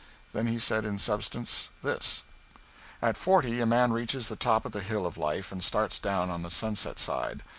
Then he said in substance this: "At forty a man reaches the top of the hill of life and starts down on the sunset side.